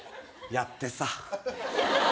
「やってさ」！